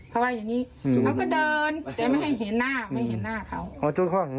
เขาก็เดินแต่ไม่ให้เห็นหน้าเห็นหน้าเขา